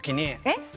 えっ？